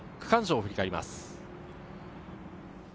区間賞を振り返ります。